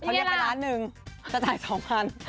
เขาเรียกไปล้านหนึ่งจะจ่าย๒๐๐บาท